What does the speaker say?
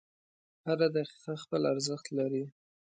• هره دقیقه خپل ارزښت لري.